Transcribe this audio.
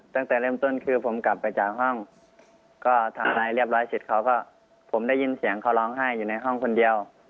เวลาชิดเค้าก็ผมได้ยินเสียงเค้าร้องไห้อยู่ในห้องคนเดียว